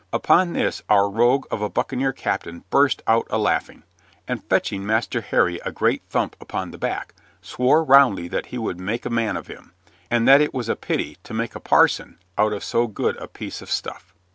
Upon this our rogue of a buccaneer captain burst out a laughing, and fetching Master Harry a great thump upon the back, swore roundly that he would make a man of him, and that it was a pity to make a parson out of so good a piece of stuff.